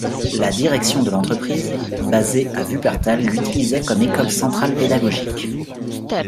La direction de l'entreprise, basée à Wuppertal l'utilisait comme école centrale pédagogique.